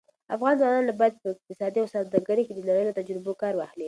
افغان ځوانان باید په اقتصاد او سوداګرۍ کې د نړۍ له تجربو کار واخلي.